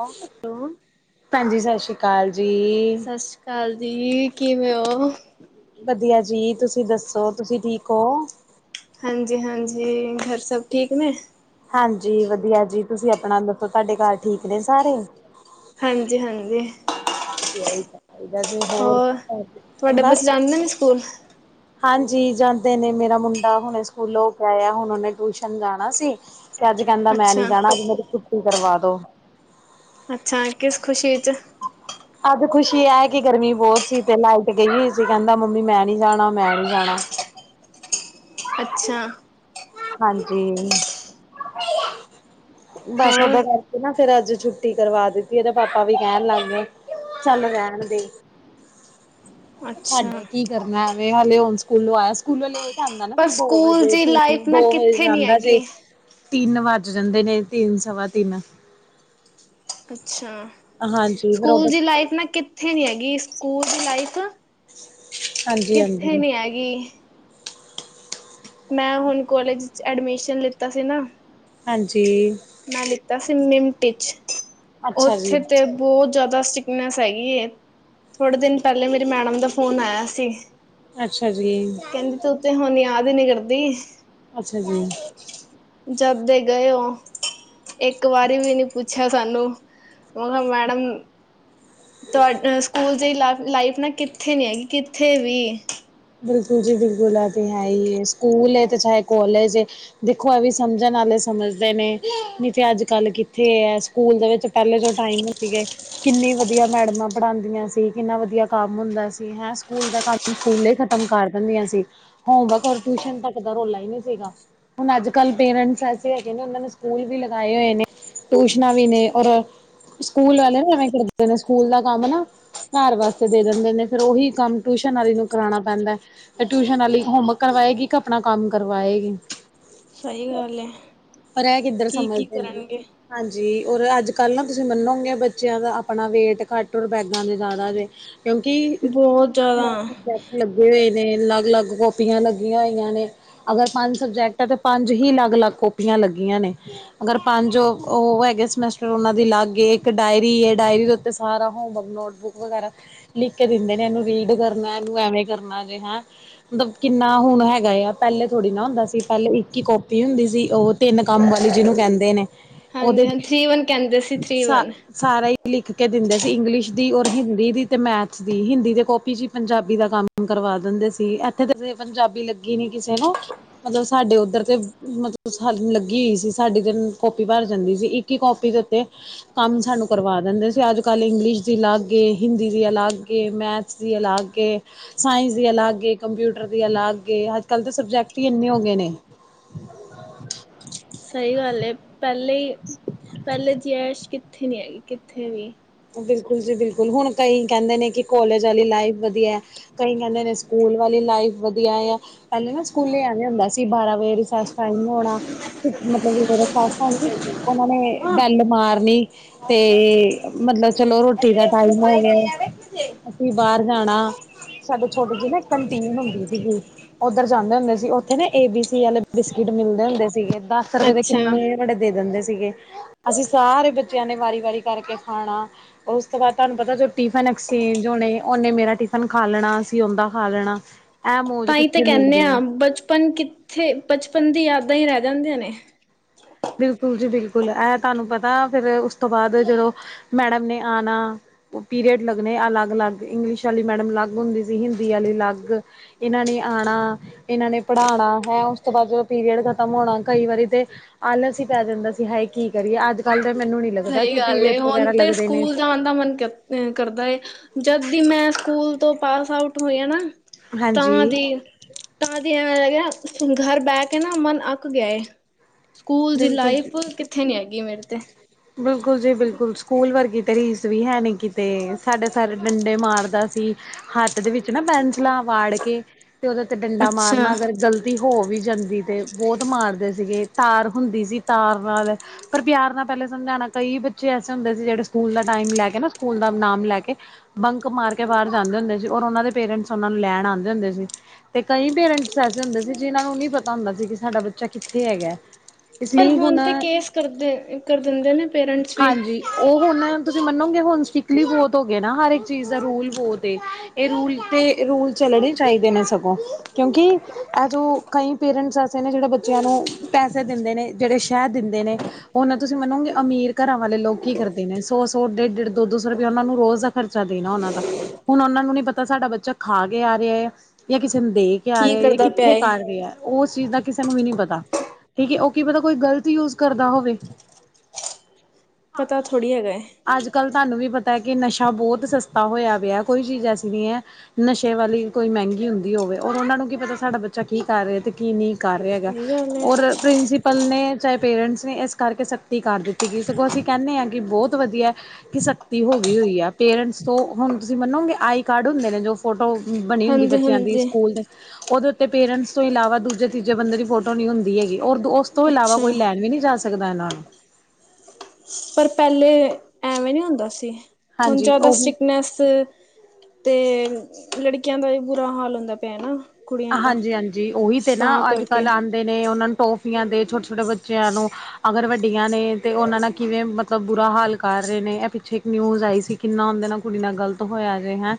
ਲੋ hello ਭੈਜੀ ਸਾਸਰੀਕਾਲ ਜੀ। ਕਾਲ ਜੀ ਕਿਵੇਂ ਉਹ? ਵਧੀਆ ਜੀ ਤੁਸੀਂ ਦੱਸੋ ਤੁਸੀਂ ਠੀਕ ਹੋ। ਹਾਂਜੀ-ਹਾਂਜੀ ਘਰ ਸਭ ਠੀਕ ਨੇ? ਹਾਂਜੀ ਵਧੀਆ ਜੀ ਤੁਸੀਂ ਆਪਣਾ ਦੱਸੋ ਤੁਹਾਡੇ ਘਰ ਠੀਕ ਨੇ ਸਾਰੇ ਹਾਂਜੀ-ਹਾਂਜੀ ਵੈਸੇ ਹੋਰ ਕਿਦਾਂ ਐ, ਤੁਹਾਡੇ ਬਸ ਬੱਚੇ ਜਾਂਦੇ ਨੇ ਸਕੂਲ ਹਾਂਜੀ ਜਾਂਦੇ ਨੇ ਮੇਰਾ ਮੁੰਡਾ ਹੁਣੇ ਸਕੂਲ ਹੋ ਕੇ ਆਇਆ। ਹੁਣ ਉਹਨੇ ਟਿਊਸ਼ਨ ਜਾਣਾ ਸੀ। ਤੇ ਅੱਜ ਕਹਿੰਦਾ ਮੈਂ ਨੀ ਅੱਛਾ ਜਾਣਾ ਅਜ ਮੇਰੀ ਛੱਟੀ ਕਰਵਾ ਦੋ। ਅੱਛਾ ਕਿਸ ਖੁਸ਼ੀ ਚ ਅੱਜ ਖੁਸ਼ੀ ਐ ਕਿ ਗਰਮੀ ਬਹੁਤ ਸੀ, ਤੇ ਲਾਈਟ ਗਈ ਹੋਈ ਸੀ ਕਹਿੰਦਾ ਮੰਮੀ ਮੈਂ ਨੀ ਜਾਣਾ ਮੈਂ ਨੀ ਜਾਣਾ ਅੱਛਾ ਹਾਂਜੀ ਬਸ ਹੋਰ ਓਦੇ ਕਰਕੇ ਨਾ ਫਿਰ ਅੱਜ ਛੁੱਟੀ ਕਰਵਾ ਦਿੱਤੀ। ਇਹਦੇ ਪਾਪਾ ਵੀ ਕਹਿਣ ਲੱਗ ਗਏ ਚੱਲ ਰਹਿਣ ਦੇ ਛਾਫ ਅੱਛਾ ਕੀ ਕਰਨਾ ਐਵੇਂ, ਹਾਲੇ ਸਕੂਲੋਂ ਆਇਆ ਸਕੂਲੋ ਲੇਟ ਜਾਂਦਾ ਨਾ ਪਰ ਫਿਰ ਦੋ ਸਕੂਲ ਵਜੇ ਦੀ ਤਿੰਨ ਲਾਈਫ ਨਾ ਦੋ ਵਜੇ ਕਿੱਥੇ ਨੀ ਜਾਂਦਾ ਸੀ। ਹੈਗੀ ਤਿੰਨ ਵੱਜ ਜਾਂਦੇ ਨੇ ਤਿੰਨ ਸਵਾ ਤਿੰਨ ਅੱਛਾ ਹਾਂਜੀ ਫਿਰ ਸਕੂਲ ਉਹਦੇ ਦੀ ਲਾਈਫ ਨਾ ਕਿ ਕਿੱਥੇ ਨੀ ਹੈਗੀ ਸਕੂਲ ਦੀ ਲਾਈਫ ਹਾਂਜੀ ਕਿੱਥੇ ਹਾਂਜੀ ਨੀ ਹੈਗੀ। ਮੈਂ ਹੁਣ ਕੌਲਜ ਚ ਐਡਮਿਸ਼ਨ ਲਿਤਾ ਸੀ ਨਾ। ਹਾਂਜੀ। ਮੈਂ ਲਿੱਤਾ ਸੀ ਮਿੰਟ ਇਚ ਅੱਛਾ ਜੀ ਉੱਥੇ ਤੇ ਬਹੁਤ ਜਯਾਦਾ ਸਿਕਨੈਸ ਹੈਗੀ ਏ ਥੋੜ੍ਹੇ ਦਿਨ ਪਹਲੇ ਮੇਰੀ ਮੈਡਮ ਦਾ ਫ਼ੋਨ ਆਇਆ ਸੀ। ਅੱਛਾ ਜੀ। ਕੈਂਹਦੀ ਤੂੰ ਤੇ ਹੁਣ ਯਾਦ ਈ ਨੀ ਕਰਦੀ। ਅੱਛਾ ਜੀ। ਜਦ ਦੇ ਗਏ ਓ। ਇੱਕ ਵਾਰੀ ਵੀ ਨੀ ਪੁੱਛਿਆ ਸਾਨੂੰ, ਮੈਂ ਕਿਹਾ ਮੈਡਮ ਤੁਹਾਡ ਸਕੂਲ ਜਈ ਲਾਈਫ ਨਾ ਕਿੱਥੇ ਨੀ ਹੈਗੀ ਕਿੱਥੇ ਵੀ ਬਿਲਕੁਲ ਜੀ ਬਿਲਕੁਲ ਐ ਤੇ ਹੈ ਈ ਐ, ਸਕੂਲ ਏ ਤੇ ਚਾਹੇ ਕੋਲਜ ਦੇਖੋ ਇਹ ਵੀ ਸਮਝਣ ਵਾਲੇ ਸਮਝਦੇ ਨੇ, ਨਹੀਂ ਤੇ ਅੱਜ- ਕੱਲ੍ਹ ਕਿੱਥੇ ਏ ਸਕੂਲ ਦੇ ਵਿੱਚ ਪਹਲੇ ਜੋ ਟਾਈਮ ਸੀਗੇ ਕਿੰਨੀ ਵਧੀਆ ਮੈਡਮਾਂ ਪੜ੍ਹਾਂਦੀਆਂ ਸੀ। ਕਿੰਨਾ ਵਧੀਆ ਕੰਮ ਹੁੰਦਾ ਸੀ, ਹੈਂ ਸਕੂਲ ਦਾ ਕੰਮ ਸਕੂਲ ਕੰਮ ਕਰ ਦਿੰਦੀਆਂ ਸੀ, ਹੋਮਵਰਕ ਔਰ ਟਿਊਸ਼ਨ ਤੱਕ ਦਾ ਰੋਲਾ ਈ ਨੀ ਸੀਗਾ। ਹੁਣ ਅੱਜ-ਕੱਲ੍ਹ ਪੇਰੈਂਟਸ ਐਸੇ ਹੈਗੇ ਨੇ ਉਨਾਂ ਨੇ ਸਕੂਲ ਵੀ ਲਗਾਏ ਹੋਏ ਨੇ ਟਊਸ਼ਨਾਂ ਵੀ ਨੇ ਔਰ ਸਕੂਲ ਵਾਲੇ ਨਾ ਐਵੇਂ ਕਰਦੇ ਨੇ ਸਕੂਲ ਦਾ ਕੰਮ ਨਾ ਘਰ ਵਾਸਤੇ ਦੇ ਦਿੰਦੇ ਨੇ ਫੇਰ ਉਹੀ ਕੰਮ ਟਿਊਸ਼ਨ ਵਾਲੀ ਨੂੰ ਕਰਾਣਾ ਪੈਂਦਾ ਐ, ਤੇ ਟਿਊਸ਼ਨ ਵਾਲੀ ਹੋਮਵਰਕ ਕਰਵਾਏਗੀ ਕਿ ਆਪਣਾ ਕਰਵਾਏਗੀ ਸਹੀ ਗੱਲ ਏ ਪਰ ਇਹ ਕਿੱਧਰ ਕੀ ਕੀ ਸਮਝਦੇ ਨੇ ਕਰਨਗੇ। ਹਾਂਜੀ ਔਰ ਅੱਜ-ਕੱਲ੍ਹ ਨਾ ਤੁਸੀਂ ਮੰਨੋਗੇ ਬੱਚਿਆਂ ਦਾ ਆਪਣਾ ਵੇਟ ਘੱਟ ਔਰ ਬੈਗਾਂ ਦੇ ਜ਼ਿਆਦਾ ਜੇ ਕਿਉਂਕਿ ਬਹੁਤ ਜ਼ਿਆਦਾ ਲੱਗੇ ਹੋਏ ਨੇ, ਲੱਗ-ਲੱਗ ਕਾਪੀਆਂ ਲੱਗੀਆਂ ਹੋਈਆਂ ਨੇ ਅਗਰ ਪੰਜ ਸਬਜੈਕਟ ਆ ਤੇ ਪੰਜ ਹੀ ਲੱਗ-ਲੱਗ ਕਾਪੀਆਂ ਲੱਗੀਆਂ ਨੇ। ਅਗਰ ਪੰਜ ਉਹ ਹੈਗੇ ਸਮੈਸਟਰ ਉਨਾਂ ਦੀ ਅਲਗ ਏ, ਇੱਕ ਡਾਇਰੀ ਹੈ ਡਾਇਰੀ ਦੇ ਉੱਤੇ ਸਾਰਾ ਹੋਮਵਰਕ ਨੋਟ ਬੁੱਕ ਵਗੈਰਾ, ਲਿਖ ਕੇ ਦਿੰਦੇ ਨੇ ਐਨੂੰ ਰੀਡ ਕਰਨਾ ਇਨੂੰ ਐਵੇਂ ਕਰਨਾ ਜੇ ਹੈਂ ਮਤਲਬ ਕਿੰਨਾ ਹੁਣ ਹੈਗਾ ਆ ਪਹਲੇ ਥੋੜ੍ਹੀ ਨਾ ਹੁੰਦਾ ਸੀ। ਪਹਲੇ ਇੱਕ ਈ ਕਾਪੀ ਹੁੰਦੀ ਸੀ। ਉਹ ਤਿੰਨ ਕੰਮ ਵਾਲੇ ਜਿਨੂੰ ਕਹਦੇ ਨੇ। ਉਹਦੇ ਹਾਂਜੀ, ਹਾਂਜੀ ਥ੍ਰਰੀ-ਵਨ ਕਹਿੰਦੇ ਸੀ ਸਾ ਥ੍ਰੀ-ਵਨ। ਸਾਰਾ ਈ ਲਿਖ ਕੇ ਦਿੰਦੇ ਸੀ, ਇੰਗਲਿਸ਼ ਦੀ, ਔਰ ਹਿੰਦੀ ਦੀ, ਤੇ ਮੈਥਸ ਦੀ, ਹਿੰਦੀ ਦੇ ਕੋਪੀ 'ਚ ਈ ਪੰਜਾਬੀ ਦਾ ਕੰਮ ਕੰਮ ਕਰਵਾ ਦਿੰਦੇ ਸੀ, ਇੱਥੇ ਤੇ ਅਪਣੇ ਪੰਜਾਬੀ ਲੱਗੀ ਨੀ ਕਿਸੇ ਨੂੰ। ਮਤਲਬ ਸਾਡੇ ਓਧਰ ਤੇ ਮਤਲਬ ਸ ਲੱਗੀ ਹੋਈ ਸੀ, ਸਾਡੀ ਤੇ ਕੌਪੀ ਭਰ ਜਾਂਦੀ ਸੀ ਈ। ਇਕ ਈ ਕੋਪੀ ਦੇ ਉੱਤੇ ਕੰਮ ਸਾਨੂੰ ਕਰਵਾ ਦਿੰਦੇ ਸੀ, ਅੱਜ-ਕੱਲ੍ਹ ਇੰਗਲਿਸ਼ ਦੀ ਲੱਗ ਏ, ਹਿੰਦੀ ਦੀ ਅਲੱਗ ਏ, ਮੈਥ ਸ ਦੀ ਅਲੱਗ ਏ। ਸਾਇੰਸ ਦੀ ਅਲੱਗ ਏ, ਕੰਪਿਊਟਰ ਦੀ ਅਲੱਗ ਏ, ਅੱਜ-ਕੱਲ੍ਹ ਤੇ ਸਬਜੈਕਟ ਈ ਇੰਨੇ ਹੋ ਗਏ ਨੇ। ਸਈ ਗੱਲ ਏ, ਪੇਲੇ ਈ ਪੇਲੇ ਜੀ ਐਸ਼ ਕਿੱਥੇ ਨੀ ਹੈਗੀ, ਕਿੱਥੇ ਵੀ। ਬਿਲਕੁਲ ਜੀ, ਬਿਲਕੁਲ! ਹੁਣ ਕਈ ਕੈਂਦੇ ਨੇ ਕਿ ਕੋਲੇਜ ਆਲੀ ਲਾਈਫ ਵਧੀਆ ਕਈ ਕੈਂਦੇ ਨੇ ਸਕੂਲ ਵਾਲੀ ਲਾਈਫ ਵਧੀਆ ਆ। ਪੈਲੇ ਨਾ ਸਕੂਲੇ ਐਵੇਂ ਹੋਂਦਾ ਸੀ, ਬਾਰਾਂ ਵਜੇ ਰਿਸੈਸ ਟਾਈਮ ਹੋਣਾ। ਮਤਲਬ ਵੀ ਮੇਰੇ ਸੱਸ ਆ ਨਾ, ਓਨਾਂ ਨੇ ਬੈਲ ਮਾਰਨੀ ਤੇ ਮਤਲਬ ਚਲੋ, ਰੋਟੀ ਦਾ ਟਾਈਮ ਹੋ ਗਿਆ, ਅਸੀਂ ਬਾਹਰ ਜਾਣਾ। ਸਾਡੇ ਛੋਟੀ ਜੀ ਨਾ ਇੱਕ ਕੰਟੀਨ ਹੋਂਦੀ ਸੀਗੀ। ਓਧਰ ਜਾਂਦੇ ਹੋਂਦੇ ਸੀ, ਉੱਥੇ ਨਾ ਏ ਬੀ ਸੀ ਅਲੇ ਬਿਸਕਿਟ ਮਿਲਦੇ ਹੁੰਦੇ ਸੀਗੇ, ਏਦਾਂ ਇਕ ਰੱਪੇ ਦੇ ਅੱਛਾ ਕਿੰਨੇ ਵੜੇ ਦੇ ਦਿੰਦੇ ਸੀਗੇ! ਅਸੀਂ ਸਾਰੇ ਬੱਚਿਆਂ ਨੇ ਵਾਰੀ-ਵਾਰੀ ਕਰਕੇ ਖਾਣਾ। ਉਸ ਤੋਂ ਬਾਦ ਤਾਨੂੰ ਪਤਾ, ਜੋ ਟਿਫਨ ਐਕਸਚੇਂਜ ਹੋਣੇ, ਓਨੇ ਮੇਰਾ ਟਿਫਨ ਖਾ ਲੈਣਾ, ਅਸੀਂ ਓਦਾਂ ਖਾ ਲੈਣਾ। ਇਹ ਮੌਜ ਤਾਂ ਈ ਤੇ ਕਿੱਥੇ ਕੈਨੇ ਮਿਲਦੀ ਹੈ ਆਂ, ਬਚਪਨ ਕਿੱਥੇ, ਬਚਪਨ ਦੀ ਯਾਦਾਂ ਈ ਰੇਹ ਜਾਂਦੀਆਂ ਨੇ! ਬਿਲਕੁਲ ਜੀ, ਬਿਲਕੁਲ! ਐ ਤਾਨੂੰ ਪਤਾ, ਫੇਰ ਉਸ ਤੋਂ ਬਾਦ ਜਦੋਂ ਮੈਡਮ ਨੇ ਆਣਾ ਪੀਰੀਅਡ ਲੱਗਣੇ ਅਲੱਗ-ਅਲੱਗ ਇੰਗਲਿਸ਼ ਆਲੀ ਮੈਡਮ ਅਲੱਗ ਹੁੰਦੀ ਸੀ, ਹਿੰਦੀ ਆਲੀ ਅਲੱਗ। ਇਨਾਂ ਨੇ ਆਣਾ। ਏਨਾਂ ਨੇ ਪੜ੍ਹਾਣਾ ਹੈ, ਉਸ ਤੋਂ ਬਾਦ ਜਦੋਂ ਪੀਰੀਅਡ ਖਤਮ ਹੋਣਾ, ਕਈ ਵਾਰੀ ਤੇ ਆਲਸ ਈ ਪੈ ਜਾਂਦਾ ਸੀ, ਹਾਏ ਕੀ ਕਰੀਏ ਅੱਜ ਕੱਲ੍ਹ ਤੇ ਮੈਨੂੰ ਨੀ ਲੱਗਦਾ ਸਈ ਕਿ ਗੱਲ ਐ, ਪੀਰੀਅਡ ਹੁਣ ਵਗੈਰਾ ਤੇ ਲੱਗਦੇ ਨੇ ਸਕੂਲ ਜਾਣ ਦਾ ਮਨ ਕਰ ਤੇ ਕਰਦਾ ਏ, ਜਦ ਦੀ ਮੈਂ ਸਕੂਲ ਤੋਂ ਪਾਸ ਆਊਟ ਹੋਈ ਆਂ ਨਾ ਹਾਂਜੀ ਤਾਂ ਦੀ, ਤਾਂ ਦੀ ਐਂਵੇ ਲੱਗਿਆ, ਘਰ ਬੈੇ ਕੇ ਨਾ ਮਨ ਅੱਕ ਗਿਆ ਏ। ਸਕੂਲ ਜੀ, ਲਾਈਫ ਕਿੱਥੇ ਨੀ ਹੈਗੀ ਮੇਰੇ ਤੇ! ਬਿਲਕੁਲ ਜੀ, ਬਿਲਕੁਲ! ਸਕੂਲ ਵਰਗੀ ਤੇ ਰੀਸ ਵੀ ਹੈ ਨੀ ਕਿਤੇ, ਸਾਡੇ ਸਰ ਡੰਡੇ ਮਾਰਦਾ ਸੀ। ਹੱਥ ਦੇ ਵਿੱਚ ਨਾ ਪੈਨਸਲਾ ਵਾੜ ਕੇ, ਤੇ ਓਦੇ 'ਤੇ ਡੰਡਾ ਅੱਛਾ। ਮਾਰਨਾ, ਅਗਰ ਗਲ ਤੀ ਹੋ ਵੀ ਜਾਂਦੀ ਤੇ, ਬੌਤ ਮਾਰਦੇ ਸੀਗੇ, ਤਾਰ ਹੁੰਦੀ ਸੀ ਤਾਰ ਨਾਲ! ਪਰ ਪਿਆਰ ਨਾ ਪਹਿਲੇ ਸਮਝਾਣਾ, ਕਈ ਬੱਚੇ ਐਸੇ ਹੋਂਦੇ ਸੀ ਜਿਹੜੇ ਸਕੂਲ ਟਾਈਮ ਲੈ ਕੇ ਨਾ, ਸਕੂਲ ਦਾ ਨਾਮ ਲੈ ਕੇ ਬੰਕ ਮਾਰ ਕੇ ਬਾਰ ਜਾਂਦੇ ਹੋਂਦੇ ਸੀ, ਔਰ ਓਨਾ ਦੇ ਪੇਰੈਂਟਸ ਓਨਾ ਨੂੰ ਲੈਣ ਆਂਦੇ ਹੋਂਦੇ ਸੀ। ਤੇ ਕਈ ਪੇਰੈਂਟਸ ਐਸੇ ਹੋਂਦੇ ਸੀ, ਜਿਨਾਂ ਨੂੰ ਨਹੀਂ ਪਤਾ ਹੁੰਦਾ ਸੀ ਕਿ ਸਾਡਾ ਬੱਚਾ ਕਿੱਥੇ ਹੈਗਾ। ਇਸ ਪਰ ਲਈ ਹੁਣ ਤੇ ਕੇਸ ਕਰਦੇ, ਕਰ ਦਿੰਦੇ ਨੇ ਪੇਰੈਂਟਸ ਵੀ। ਓ, ਹੁਣ ਤੁਸੀਂ ਮੰਨੋਗੇ, ਹੁਣ ਸਟਿਕਲੀ ਬੌਤ ਹੋ ਗਏ ਨਾ, ਹਰ ਇੱਕ ਚੀਜ਼ ਦਾ ਰੂਲ ਬੌਤ ਏ! ਏ ਰੂਲ ਤੇ ਰੂਲ ਚੱਲਣੇ ਚਾਹੀਦੇ ਨੇ ਸਗੋਂ ਕਿਉਂਕਿ ਐ ਜੋ ਕਈ ਪੇਰੈਂਟਸ ਐਸੇ ਨੇ ਜੇੜੇ ਬੱਚਿਆਂ ਨੂੰ ਪੈਸੇ ਦਿੰਦੇ ਨੇ, ਜੇੜੇ ਸ਼ਹਿ ਨੇ ਓਨਾਂ ਤੁਸੀਂ ਮੰਨੋਗੇ, ਅਮੀਰ ਘਰਾਂ ਵਾਲੇ ਲੋਕ ਕੀ ਕਰਦੇ ਨੇ, ਸੌ-ਸੌ, ਡੇਢ-ਡੇਢ, ਦੋ-ਦੋ, ਸੌ ਰੁਪਇਆ ਓਨਾਂ ਨੂੰ ਰੋਜ਼ ਦਾ ਖਰਚਾ ਦੇਣਾ ਓਨਾਂ ਦਾ। ਹੁਣ ਓਨਾਂ ਨੂੰ ਨੀ ਪਤਾ, ਸਾਡਾ ਬੱਚਾ ਖਾ ਕੇ ਆ ਰਿਆ ਐ ਜਾਂ ਕਿਸੇ ਨੂੰ ਦੇ ਕੇ ਆ ਕੀ ਰਿਆ ਐ ਜਾਂ ਕਰਦਾ ਪਿਆ ਕਿੱਥੇ ਏ ਕਰ ਰਿਹਾ? ਓਸ ਚੀਜ਼ ਦਾ ਕਿਸੇ ਨੂੰ ਵੀ ਨੀ ਪਤਾ, ਠੀਕ ਐ! ਓ ਕੀ ਪਤਾ ਕੋਈ ਗ਼ਲਤ ਯੂਜ਼ ਕਰਦਾ ਹੋਵੇ? ਪਤਾ ਥੋੜ੍ਹੀ ਹੈਗਾ ਏ। ਅੱਜ-ਕੱਲ੍ਹ ਤਾਨੂੰ ਵੀ ਪਤਾ ਕਿ ਨਸ਼ਾ ਬੌਤ ਸਸਤਾ ਹੋਇਆ ਪਿਆ, ਕੋਈ ਚੀਜ਼ ਐਸੀ ਨੀ ਐ ਨਸ਼ੇ ਵਾਲੀ ਕੋਈ ਮੈੰਗੀ ਹੁੰਦੀ ਹੋਵੇ ਔਰ, ਓਹਨਾਂ ਨੂੰ ਕੀ ਪਤਾ ਸਾਡਾ ਬੱਚਾ ਕੀ ਕਰ ਰਿਐ ਤੇ ਕੀ ਨੀ ਕਰ ਰਿਆ ਹੈਗਾ ਸਹੀ ਗੱਲ ਏ। ਔਰ, ਪ੍ਰਿੰਸੀਪਲ ਨੇ ਚਾਹੇ ਪੇਰੈਂਟਸ ਨੇ ਏਸ ਕਰਕੇ ਸਕ ਤੀ ਕਰ ਦਿੱਤੀ ਗਈ। ਸਗੋਂ, ਅਸੀਂ ਕੈਨੇ ਆ ਕਿ ਬੌਤ ਵਧੀਆ ਕਿ ਸਕਤੀ ਹੋ ਗਈ ਹੋਈ ਆ। ਪੇਰੈਂਟਸ ਤੋਂ ਹੁਣ, ਤੁਸੀਂ ਮੰਨੋਗੇ ਆਈ ਕਾਰਡ ਹੁੰਦੇ ਨੇ ਜੋ ਫੋਟੋ ਬਣੀ ਹੁੰਦੀ ਬੱਚਿਆਂ ਦੀ, ਹਾਂਜੀ-ਹਾਂਜੀ। ਸਕੂਲ ਦੇ ਓਹਦੇ ਉੱਤੇ ਪੇਰੈਂਟਸ ਤੋਂ ਇਲਾਵਾ ਦੂਜੇ-ਤੀਜੇ ਬੰਦੇ ਦੀ ਫੋਟੋ ਨੀ ਹੁੰਦੀ ਹੈਗੀ। ਔਰ ਦੋਸ ਤੋਂ ਇਲਾਵਾ ਕੋਈ ਅੱਛਾ। ਲੈਣ ਵੀ ਨੀ ਜਾ ਸਕਦਾ ਐਹਨਾਂ ਨੂੰ। ਪਰ ਪੈਲੇ, ਐਵੇਂ ਨੀ ਹੁੰਦਾ ਸੀ। ਹੁਣ ਹਾਂਜੀ ਜੈਦਾ ਉਹ ਸਟ੍ਰਿਕਨੈਸ ਤੇ ਲੜਕੀਆਂ ਦਾ ਵੀ ਬੁਰਾ ਹਾਲ ਹੁੰਦਾ ਪਿਐ ਨਾ। ਕੁੜੀਆਂ ਦਾ ਹਾਂਜੀ-ਹਾਂਜੀ, ਓਹੀ ਤੇ ਨਾ, ਤਾਂ ਕਰਕੇ ਅੱਜ-ਕੱਲ੍ਹ ਆਂਦੇ ਨੇ ਓਹਨਾਂ ਨੂੰ ਟੋਫੀਆਂ ਦੇ ਛੋਟੇ-ਛੋਟੇ ਬੱਚਿਆਂ ਨੂੰ ਅਗਰ ਵੱਡੀਆਂ ਨੇ ਤੇ ਓਹਨਾਂ ਨਾਲ ਕਿਵੇਂ ਮਤਲਬ ਬੁਰਾ ਹਾਲ ਕਰ ਰੇ ਨੇ, ਐਹ ਪਿੱਛੇ ਇੱਕ ਨਿਊਜ਼ ਆਈ ਸੀ। ਕਿੰਨਾ ਆਂਦੈ ਨਾ, ਕੁੜੀ ਨਾਲ ਗਲਤ ਹੋਇਆ ਜੇ, ਹੈਂ।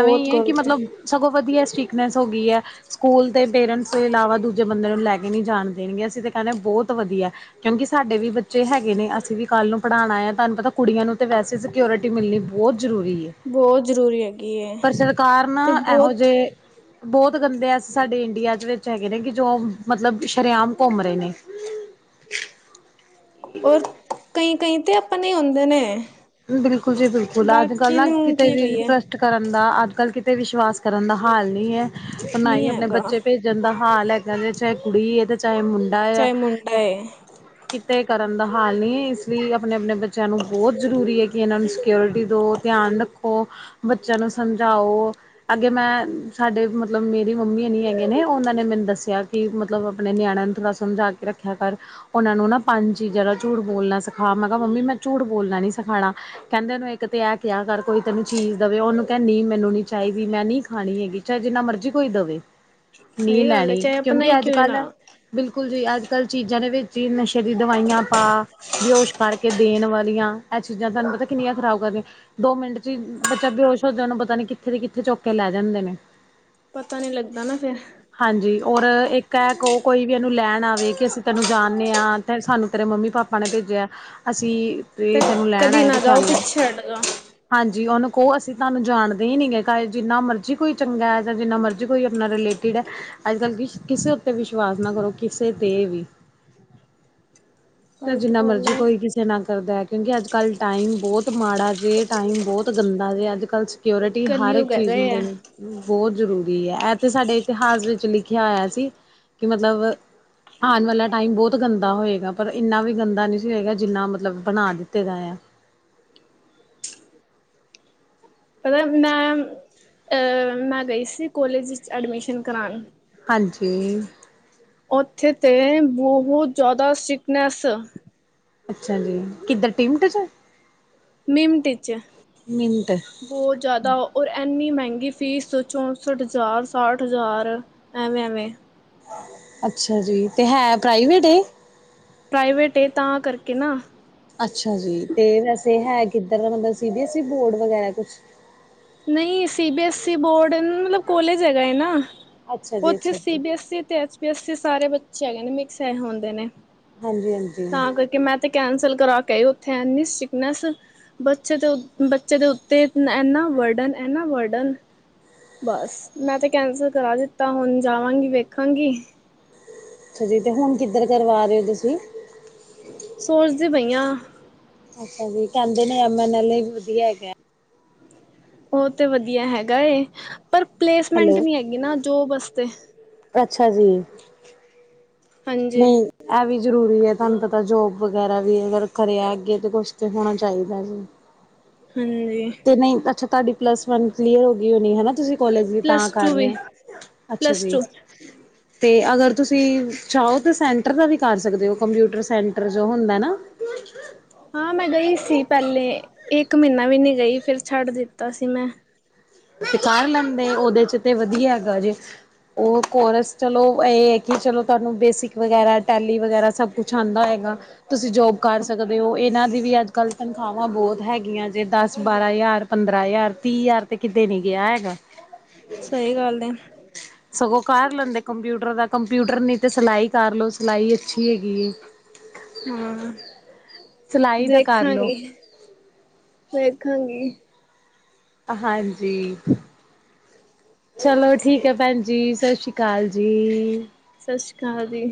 ਐਵੇਂ ਈ ਏ, ਕਿ ਗ਼ਲਤ ਮਤਲਬ ਸਗੋਂ ਵਧੀਐ ਸਟੀਕਨੈਸ ਹੋ ਗੀ ਐ। ਸਕੂਲ ਤੇ ਪੇਰੈਂਟਸ ਤੋਂ ਇਲਾਵਾ ਦੂਜੇ ਬੰਦੇ ਨੂੰ ਲੈ ਕੇ ਨੀ ਜਾਣ ਦੇਣਗੇ, ਅਸੀਂ ਤੇ ਕੈਣੇ ਆ ਬੌਤ ਵਧੀਐ। ਕਿਉਂਕਿ ਸਾਡੇ ਵੀ ਬੱਚੇ ਹੈਗੇ ਨੇ। ਅਸੀਂ ਵੀ ਕੱਲ੍ਹ ਨੂੰ ਪੜ੍ਹਾਣਾ ਆ, ਤੁਆਨੂੰ ਪਤਾ ਕੁੜੀਆਂ ਨੂੰ ਤੇ ਵੈਸੇ ਸ ਕਿਓਰਿਟੀ ਮਿਲਣੀ ਬੌਤ ਜ਼ਰੂਰੀ ਏ। ਬਹੁਤ ਜ਼ਰੂਰੀ ਹੈਗੀ ਹੈ ਪਰ ਸਰਕਾਰ ਨਾ, ਤੇ ਐਹੋ ਬਹੁਤ ਜੇ ਬੌਤ ਗੰਦੇ ਐਸੇ ਸਾਡੇ ਇੰਡੀਆ ਚ ਵੇਚ ਹੈਗੇ ਨੇ, ਕਿ ਜੋ ਮਤਲਬ ਸ਼ਰੇਆਮ ਘੁੰਮ ਰੇ ਨੇ। ਔਰ, ਕਈ-ਕਈ ਤੇ ਅਪਣੇ ਈ ਹੁੰਦੇ ਨੇ। ਬਿਲਕੁਲ ਜੀ ਬਿਲਕੁਲ, ਅੱਜ-ਕੱਲ ਬਾਕੀ ਨਾ ਨੂੰ ਹੁਣ ਕਿਤੇ ਕੀ ਵੀ ਕਹੀਏ ਟਰੱਸਟ ਕਰਨ ਦਾ, ਅੱਜ-ਕੱਲ੍ਹ ਕਿਤੇ ਵਿਸ਼ਵਾਸ ਕਰਨ ਦਾ ਹਾਲ ਨੀ ਐ। ਔਰ ਨਾ ਨਹੀਂ ਈ ਅਪਣੇ ਹੈਗਾ ਬੱਚੇ ਭੇਜ ਜਾਂਦਾ ਹਾਲ ਹੈਗਾ ਨੇ, ਚਾਏ ਕੁੜੀ ਏ ਤੇ ਚਾਏ ਮੁੰਡਾ ਆ। ਚਾਹੇ ਮੁੰਡਾ ਹੈ ਕਿਤੇ ਕਰਨ ਦਾ ਹਾਲ ਨੀ ਐ, ਇਸ ਲੀ ਅਪਣੇ-ਅਪਣੇ ਬੱਚ ਚਿਆਂ ਨੂੰ ਬੌਤ ਜ਼ਰੂਰੀ ਐ ਕਿ ਐਹਨਾਂ ਨੂੰ ਸਕਿਓਰਟੀ ਦੋ, ਧਿਆਨ ਰੱਖੋ, ਬੱਚਿਆਂ ਨੂੰ ਸਮਝਾਓ। ਅੱਗੇ ਮੈਂ ਸਾਡੇ ਮਤਲਬ ਮੇਰੀ ਮੰਮੀ ਹੋਣੀ ਹੈਗੇ ਨੇ ਓਹਨਾਂ ਨੇ ਮੈਨ ਦੱਸਿਆ ਕਿ ਮਤਲਬ ਅਪਣੇ ਨਿਆਣਿਆਂ ਨੂੰ ਥੋੜਾ ਸਮਝਾ ਕੇ ਰੱਖਿਆ ਕਰ। ਓਹਨਾਂ ਨੂੰ ਨਾ ਪੰਜ ਚੀਜ਼ਾਂ ਦਾ ਝੂਠ ਬੋਲਣਾ ਸਿਖਾ। ਮੈਂ ਕਿਆ ਮੰਮੀ ਮੈਂ ਝੂਠ ਬੋਲਣਾ ਨੀ ਸਿਖਾਣਾ। ਕੈੰਦੇ ਓਹਨੂੰ ਏਕ ਤੇ ਐਹ ਕਿਆ ਕਰ ਕੋਈ ਤੈਨੂੰ ਚੀਜ਼ ਦੇਵੇ ਓਹਨੂੰ ਕੈਹ ਨੀ ਮੈਨੂੰ ਨੀ ਚਾਈਦੀ ਮੈਂ ਨੀ ਖਾਣੀ ਹੈਗੀ। ਚਾਏ ਜਿੰਨਾ ਮਰਜ਼ੀ ਕੋਈ ਦਵੇ, ਨ੍ਹੀਂ ਸਹੀ ਗੱਲ ਹੈ ਲੈਣੀ। ਚਾਹੇ ਆਪਣਾ ਕਿਉਂਕਿ ਹੀ ਕਿਉਂ ਅੱਜ-ਕੱਲ ਨਾ ਬਿਲਕੁਲ ਜੀ, ਅੱਜ-ਕੱਲ ਚੀਜ਼ਾਂ ਦੇ ਵੇਚ ਈ ਨਸ਼ੇ ਦੀ ਦਵਾਈਆਂ ਪਾ ਬੇਹੋਸ਼ ਕਰਕੇ ਦੇਣ ਵਾਲੀਆਂ, ਐਹ ਚੀਜ਼ਾਂ ਤੁਆਨੂੰ ਪਤੈ ਕਿੰਨੀਆਂ ਖ਼ਰਾਬ ਕਰਦੀਐਂ। ਦੋ ਮਿੰਟ ਚੀ ਬੱਚਾ ਬੇਹੋਸ਼ ਹੋ ਜਾਣ ਓਹਨੂੰ ਪਤਾ ਨੀ ਕਿੱਥੇ ਦੇ ਕਿੱਥੇ ਚੁੱਕ ਕੇ ਲੈ ਜਾਂਦੇ ਨੇ। ਪਤਾ ਨੀ ਲੱਗਦਾ ਨਾ ਫੇਰ। ਹਾਂਜੀ, ਔਰ ਇੱਕ ਐ ਕੋ ਕੋਈ ਵੀ ਐਹਨੂੰ ਲੈਣ ਆਵੇ ਕਿ ਅਸੀਂ ਤੈਨੂੰ ਜਾਣਨੇ ਆਂ ਤਾਏ ਸਾਨੂੰ ਤੇਰੇ ਮੰਮੀ-ਪਾਪਾ ਨੇ ਭੇਜਿਐ, ਅਸੀਂ ਤੇ ਤੈਨੂੰ ਲੈਣ ਕਦੀ ਆਏ ਤੂੰ ਨਾ ਜਾਓ ਚੱਲ ਲੈ ਪਿੱਛੇ ਹਟ ਜੋ। ਹਾਂਜੀ, ਓਹਨੂੰ ਕਹੋ ਅਸੀਂ ਤਾਨੂੰ ਜਾਣਦੇ ਈ ਨੀ ਗੇ, ਕਾਏ ਜਿੰਨਾ ਮਰਜ਼ੀ ਕੋਈ ਚੰਗੈ ਜਾਂ ਜਿੰਨਾ ਮਰਜ ਜੇ ਕੋਈ ਅਪਣਾ ਰਿਲੇਟਿਡ ਐ ਅੱਜ-ਕੱਲ੍ਹ ਕਿਸ਼ ਕਿਸੇ ਉੱਤੇ ਵਿਸ਼ਵਾਸ ਨਾ ਕਰੋ ਕਿਸੇ ਤੇ ਵੀ। ਚਾਏ ਗਲਤ ਜਿੰਨਾ ਗੱਲ ਮਰਜ਼ੀ ਹੈ ਕੋਈ ਕਿਸੇ ਨਾ ਕਰਦੈ। ਕਿਉਂਕਿ ਅੱਜ-ਕੱਲ੍ਹ ਟਾਈਮ ਬੋਤ ਮਾੜਾ ਜੇ, ਟਾਈਮ ਬੋਤ ਗੰਦਾ ਜੇ। ਅੱਜ-ਕੱਲ ਕਿਓਰਿਟੀ ਹਰ ਇੱਕ ਕਲਯੁਗ ਹੈਗਾ ਚੀਜ਼ ਨੂੰ ਆ ਦੇਣੀ ਬੌਤ ਜ਼ਰੂਰੀ ਐ‌। ਐਤੇ ਸਾਡੇ ਇਤਿਹਾਸ ਵਿੱਚ ਲਿਖਿਆ ਹੋਇਆ ਸੀ ਕਿ ਮਤਲਬ ਆਨ ਵਾਲਾ ਟਾਈਮ ਬਹੁਤ ਗੰਦਾ ਹੋਏਗਾ ਪਰ ਇੰਨਾ ਵੀ ਗੰਦਾ ਨਹੀਂ ਸੀ ਹੋਏਗਾ ਜਿੰਨਾ ਮਤਲਬ ਬਨਾ ਦਿੱਤਾ ਤੇ ਗਾਇਆ ਪਤਾ ਮੈਂ ਅਹ ਮੈਂ ਗਈ ਸੀ ਕੋਲੇਜ ਵਿੱਚ ਐਡਮਿਸ਼ਨ ਕਰਾਨ ਹਾਂਜੀ। ਉੱਥੇ ਤੇ ਬਹੁਤ ਜ਼ਿਆਦਾ ਸੀਕਨੈਸ ਅੱਛਾ ਜੀ ਕਿੱਧਰ ਟੀਮਟ 'ਚ ਨਿਮਟ 'ਚ। ਨਿਮੰਟ। ਬਹੁਤ ਜ਼ਿਆਦਾ ਔਰ ਇੰਨੀ ਮਹਿੰਗੀ ਫੀਸ ਚੌਸਠ ਹਜ਼ਾਰ, ਸਾਠ ਹਜ਼ਾਰ ਐਵੇ-ਐਵੇ ਅੱਛਾ ਜੀ, ਤੇ ਹੈ ਪ੍ਰਾਈਵੇਟ ਏ ਪ੍ਰਾਈਵੇਟ ਏ ਤਾਂ ਕਰਕੇ ਨਾ ਅੱਛਾ, ਜੀ ਤੇ ਵੈਸੇ ਹੈ ਕਿੱਧਰ ਦਾ ਮਤਲਬ C B S E board ਵਗੈਰਾ ਕੁਛ। ਨਹੀਂ C B S E board ਮਤਲਬ ਕੋਲੇਜ ਹੈਗਾ ਏ ਨਾ‌ ਅੱਛਾ ਜੀ ਉੱਥੇ ਅੱਛਾ ਸੀ ਜੀ ਬੀ ਐੱਸ ਈ ਤੇ ਐਚ ਪੀ ਐੱਸ ਈ ਸਾਰੇ ਬੱਚੇ ਹੈਗੇ ਨੇ ਮਿਕਸ ਹੈ ਹੁੰਦੇ ਨੇ ਹਾਂਜੀ-ਹਾਂਜੀ‌। ਤਾਂ ਕਰਕੇ ਮੈਂ ਤੇ ਕੈਂਸਲ ਕਰਾ ਕੇ ਆਈ ਉੱਥੇ ਐਨੀ ਸਿਕਨੈਸ ਬੱਚੇ ਦੇ ਬੱਚੇ ਦੇ ਉੱਤੇ ਇਨਾ ਵਰਡਨ ਇਨਾ ਵਰਡਨ ਬਸ ਮੈਂ ਤਾਂ ਕੈਂਸਲ ਕਰਾ ਦਿੱਤਾ ਹੁਨ ਜਾਵਾਂਗੀ ਵੇਖਾਂਗੀ ਅੱਛਾ ਜੀ। ਤੇ ਹੁਣ ਕਿੱਧਰ ਕਰਵਾ ਰਹੇ ਔ ਤੁਸੀਂ ਸੋਚ ਦੀ ਪਈ ਆਂ ਅੱਛਾ ਜੀ, ਕਹਿੰਦੇ ਨੇ ਐਮ ਐਨ ਐਲੇ ਏ ਵੀ ਵਧੀਆ ਹੈਗਾ ਉਹ ਤੇ ਵਦੀਆ ਹੈਗਾ ਏ ਪਰ ਪਲੇਸਮੈਂਟ ਹੈਲੋ ਨੀ ਹੈਗੀ ਨਾ ਜੋਬ ਆਸਤੇ ਅੱਛਾ ਜੀ। ਹਾਂਜੀ ਨਹੀਂ। ਇਹ ਵੀ ਜ਼ਰੂਰੀ ਐ ਤੁਹਾਨੂੰ ਪਤਾ ਜੋਬ ਵਗੈਰਾ ਵੀ ਅਗਰ ਕਰਿਆ ਅੱਗੇ ਤੇ ਕੁਛ ਤੇ ਹੋਣਾ ਚਾਹੀਦਾ ਵੀ ਹਾਂਜੀ ਤੇ ਨੀਂ ਅੱਛਾ ਤੁਹਾਡੀ ਪਲੱਸ ਵਨ ਕਲੀਅਰ ਹੋ ਗਈ ਹੋਣੀ ਹੈਨਾ ਤੁਸੀਂ ਕੋਲੇਜ ਵੀ ਤਾਂ ਪਲੱਸ ਕਰ ਟੂ ਰਹੇ ਵੀ ਆ, ਅੱਛਾ ਪਲੱਸ ਜੀ ਟੂ ਤੇ ਅਗਰ ਤੁਸੀਂ ਚਾਹੋ ਤਾਂ ਸੈਂਟਰ ਦਾ ਵੀ ਕਰ ਸਕਦੇ ਹੋ ਕੰਪਿਊਟਰ ਸੈਂਟਰ ਜੋ ਹੁੰਦਾ ਏ ਨਾ ਹਾਂ ਮੈਂ ਗਈ ਸੀ ਪਹਿਲੇ ਇੱਕ ਮਹੀਨਾ ਵੀ ਨੀਂ ਗਈ ਫਿਰ ਛੱਡ ਦਿੱਤਾ ਸੀ ਮੈਂ ਤੇ ਕਰ ਲੈਂਦੇ ਉਹਦੇ ਚ ਤੇ ਵਦੀਆ ਹੈਗਾ ਜੇ ਉਹ ਕੋਰਸ ਚਲੋ ਇਹ ਐ ਕਿ ਚਲੋ ਤੁਹਾਨੂੰ ਬੇਸਿਕ ਵਗੈਰਾ ਟੈਲੀ ਵਗੈਰਾ ਸਭ ਕੁਛ ਕੁੱਛ ਆਂਦਾ ਹੈਗਾ, ਤੁਸੀਂ ਜੋਬ ਕਰ ਸਕਦੇ ਔ ਇਹਨਾਂ ਦੀ ਵੀ ਅੱਜ ਕੱਲ੍ਹ ਤਨਖਾਹਵਾਂ ਬਹੁਤ ਹੈਗੀਆਂ ਤੇ ਦਸ ਬਾਰਾਂ ਹਜ਼ਾਰ ਪੰਦਰਾਂ ਹਜ਼ਾਰ ਤੀਹ ਹਜ਼ਾਰ ਤੇ ਕਿਤੇ ਨੀ ਗਿਆ ਹੈਗਾ ਸਹੀ ਗੱਲ ਹੈ [unintelligible] ਸਗੋਂ ਕਰ ਲੈਂਦੇ ਕੰਪਿਊਟਰ ਦਾ ਕੰਪਿਊਟਰ ਨੀ ਤੇ ਸਿਲਾਈ ਕਰ ਲੋ ਸਿਲਾਈ ਅੱਛੀ ਹੈਗੀ ਏ ਹਾਂ ਸਿਲਾਈ ਦਾ ਕਰ ਲਓ ਦੇਖਾਂਗੀ ਵੇਖਾਂਗੀ ਹਾਂਜੀ- ਚਲੋ ਠੀਕ ਹੈ ਪੈਣ ਜੀ ਸਤਿ ਸ਼੍ਰੀ ਅਕਾਲ ਕਾਲ ਜੀ ਸਸਰੀ ਅਕਾਲ ਜੀ